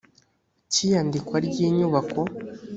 cy iyandikwa ry inyubako